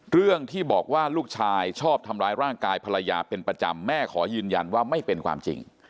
เรื่องที่บอกว่าลูกชายชอบทำร้ายร่างกายภรรยาเป็นประจำแม่ขอยืนยันว่าไม่เป็นความจริง